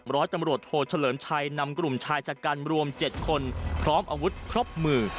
ร้อยตำรวจโทรเชลิญชัยนำกลุ่มชายจัดการรวมเจ็ดคนพร้อมอาวุธครอบมือ